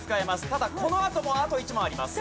ただこのあともあと１問あります。